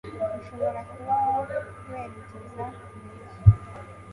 ushobora kuba werekeza ku mugi